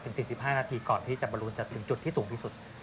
๔๕นาทีก่อนที่จะบรูนจะถึงจุดที่สูงที่สุด